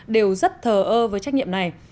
đều rất thờ ơ với trách nhiệm này